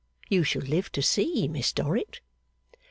You shall live to see, Miss Dorrit.